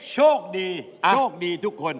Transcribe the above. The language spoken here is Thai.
โชคดีโชคดีทุกคน